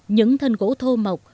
những thân gỗ thô mộc